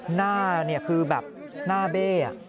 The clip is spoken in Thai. หน้าเนี่ยคือแบบหน้าเบ่อ่ะ